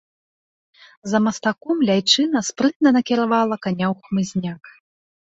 За мастком ляйчына спрытна накіравала каня ў хмызняк.